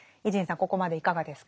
ここまでいかがですか？